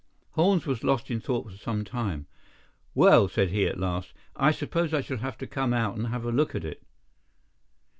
Holmes was lost in thought for some time. "Well," said he, at last, "I suppose I shall have to come out and have a look at it."